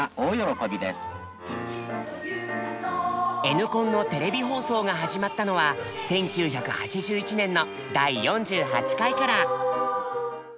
Ｎコンのテレビ放送が始まったのは１９８１年の第４８回から。